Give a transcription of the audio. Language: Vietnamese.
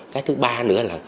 cái thứ ba nữa là